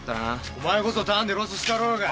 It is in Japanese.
お前こそターンでロスしたろうが。